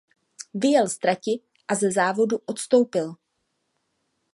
Vyjel z trati a ze závodu odstoupil.